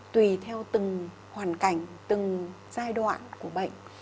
tùy theo từng hoàn cảnh từng giai đoạn của bệnh